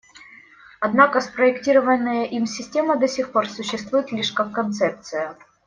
Однако спроектированная им система до сих пор существует лишь как концепция.